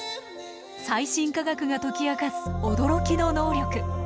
最新科学が解き明かす驚きの能力。